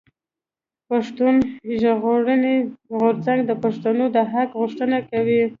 پښتون ژغورنې غورځنګ د پښتنو د حق غوښتنه کوي.